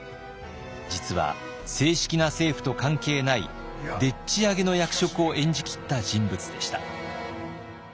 実は正式な政府と関係ないでっちあげの役職を演じきった人物でした。